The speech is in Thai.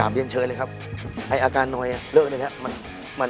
๓เรียนเชิญเลยครับให้อาการหน่อยเลิกหน่อยครับ